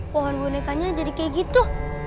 pohon bonekanya jadi kayak gitu